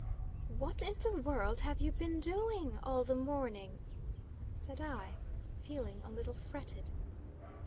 "What in the world have you been doing all the morning?" said I, feeling a little fretted.